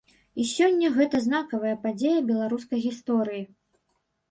І сёння гэта знакавая падзея беларускай гісторыі.